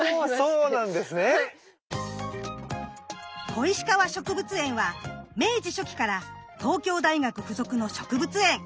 小石川植物園は明治初期から東京大学附属の植物園。